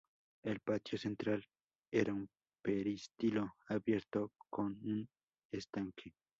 El patio central era un peristilo abierto con un estanque.